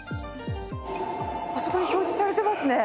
あそこに表示されてますね。